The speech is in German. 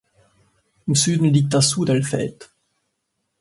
Im Süden liegt das Sudelfeld.